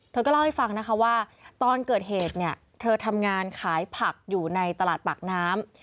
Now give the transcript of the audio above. เธอก็เล่าให้ฟังนะคะว่าตอนเกิดเหตุเนี่ยเธอทำงานขายผักอยู่ในตลาดปากน้ำ